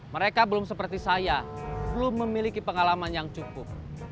mereka belum seperti saya belum memiliki pengalaman yang cukup